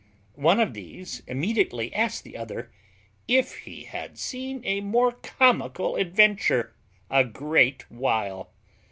One of these immediately asked the other, "If he had seen a more comical adventure a great while?"